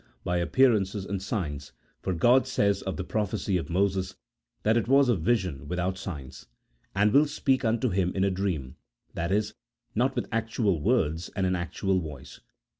by appearances and signs, for God says of the prophecy of Moses that it was a vision without signs), " and will speak unto him in a dream " (i.e. not with actual words and an actual voice).